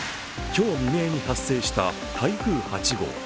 今日未明に発生した台風８号。